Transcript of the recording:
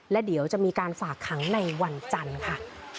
และเดี๋ยวจะมีการฝากขังในวันจันทร์ค่ะ